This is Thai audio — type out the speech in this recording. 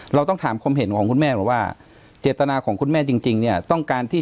เราต้องถามความเห็นของคุณแม่หรือว่าเจตนาของคุณแม่จริงเนี่ยต้องการที่